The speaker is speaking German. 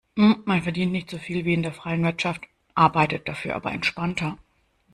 Man verdient nicht so viel wie in der freien Wirtschaft, arbeitet dafür aber entspannter.